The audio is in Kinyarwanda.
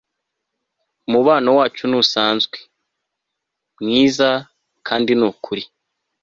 umubano wacu ntusanzwe, mwiza, kandi nukuri